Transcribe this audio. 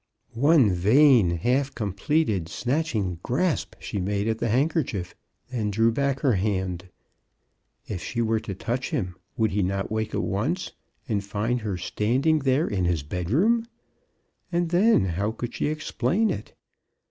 One vain, half completed, snatching grasp she made at the handkerchief, and then drew back her hand. If she were to touch him, would he not wake at once, and find her standing there in his bedroom? And then how could she ex plain it?